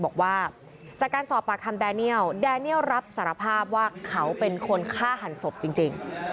บอกว่าจากการสอบปากคำแดเนียลแดเนียลรับสารภาพว่าเขาเป็นคนฆ่าหันศพจริง